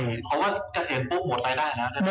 เพราะว่าเกษียณปุ๊บหมดรายได้นะ